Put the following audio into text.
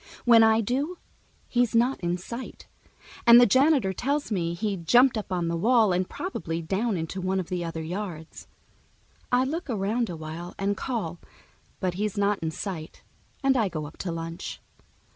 When I do, he's not in sight, and the janitor tells me he jumped up on the wall and probably down into one of the other yards. I look around a while and call, but he's not in sight, and I go up to lunch.